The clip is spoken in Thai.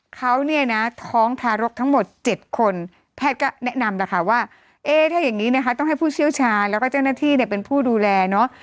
เขาเนี่ยนะท้องทารกทั้งหมด๗คนแพทย์ก็แนะนำนะคะว่าเอ๊ถ้าอย่างนี้นะคะต้องให้ผู้เชี่ยวชาญแล้วก็เจ้าหน้าที่เนี่ยเป็นผู้ดูแลเนอะ